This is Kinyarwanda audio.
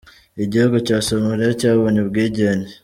Igihugu cya Somalia cyabonye ubwigenge.